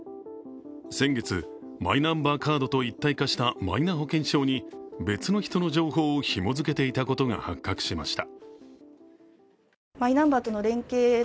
先月、マイナンバーカードと一体化したマイナ保険証に別の人の情報をひも付けていたことが発覚しました。